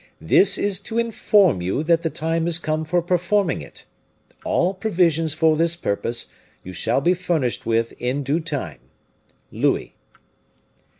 This is to inform you that the time is come for performing it. All provisions for this purpose you shall be furnished with in due time. LOUIS."